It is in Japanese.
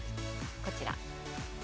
こちら。